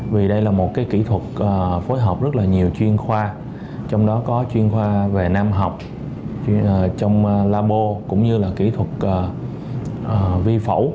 vì đây là một kỹ thuật phối hợp rất là nhiều chuyên khoa trong đó có chuyên khoa về nam học trong labo cũng như là kỹ thuật vi phẫu